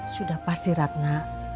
sudah pasti ratna